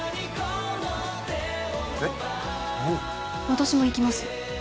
私も行きます